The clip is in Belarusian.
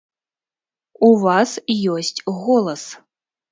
У вас ёсць голас.